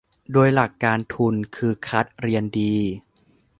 โดยหลักการทุนคือคัดเรียนดี